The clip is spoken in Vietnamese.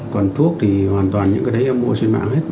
còn thuốc thì hoàn toàn những cái đấy em mua trên mạng hết